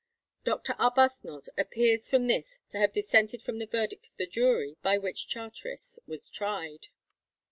Doctor Arbuthnot appears from this to have dissented from the verdict of the jury by which Charteris was tried.